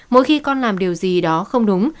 mỗi khi con làm điều gì đó không đúng